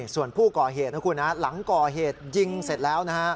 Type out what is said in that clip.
ส่วนผู้ก่อเหตุนะคุณหลังก่อเหตุยิงเสร็จแล้วนะฮะ